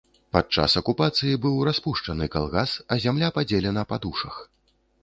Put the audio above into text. Падчас акупацыі быў распушчаны калгас а зямля падзелена па душах.